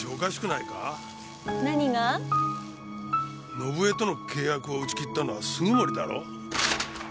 伸枝との契約を打ち切ったのは杉森だろ？